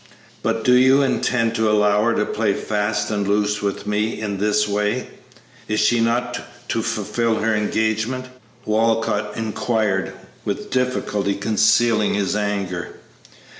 "But do you intend to allow her to play fast and loose with me in this way? Is she not to fulfil her engagement?" Walcott inquired, with difficulty concealing his anger.